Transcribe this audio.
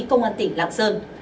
công an tỉnh lạm sơn